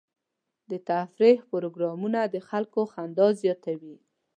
د تفریح پروګرامونه د خلکو خندا زیاتوي.